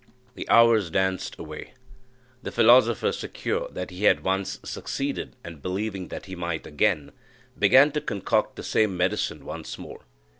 The hours danced away. The philosopher, secure that he had once succeeded, and believing that he might again, began to concoct the same medicine once more.